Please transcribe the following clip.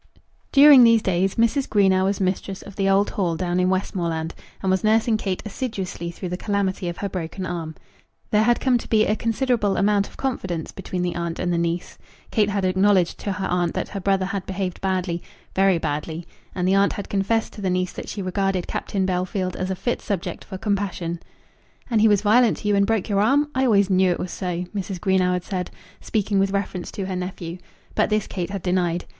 During these days Mrs. Greenow was mistress of the old Hall down in Westmoreland, and was nursing Kate assiduously through the calamity of her broken arm. There had come to be a considerable amount of confidence between the aunt and the niece. Kate had acknowledged to her aunt that her brother had behaved badly, very badly; and the aunt had confessed to the niece that she regarded Captain Bellfield as a fit subject for compassion. "And he was violent to you, and broke your arm? I always knew it was so," Mrs. Greenow had said, speaking with reference to her nephew. But this Kate had denied.